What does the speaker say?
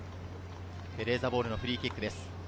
ベレーザボールのフリーキックです。